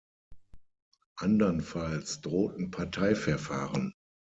Andernfalls drohten Parteiverfahren.